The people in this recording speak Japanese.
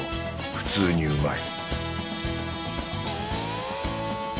普通にうまい！